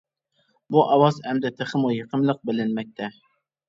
بۇ ئاۋاز ئەمدى تېخىمۇ يېقىملىق بىلىنمەكتە.